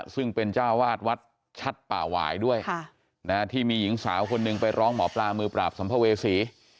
ซึ่งเป็นเจ้าวาดวัดชัดป่าหวายด้วยที่มีหญิงสาวคนหนึ่งไปร้องหมอปลามือปราบสัมภเวษี